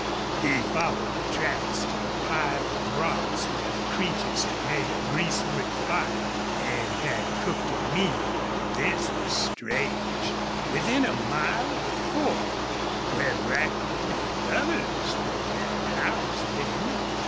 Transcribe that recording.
He followed the tracks to a pile of rocks where the Creeches had made a greasewood fire and had cooked a meal. This was strange within a mile of the Ford, where Brackton and others would have housed them.